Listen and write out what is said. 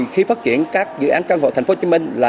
khi phát triển các dự án căn hộ tp hcm là